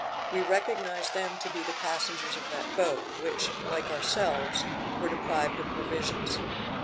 We recognized them to be the passengers of that boat, which, like ourselves, were deprived of provisions.